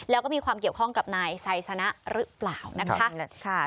แล้วก็มีความเกี่ยวข้องกับนายไซสนะหรือเปล่านะคะ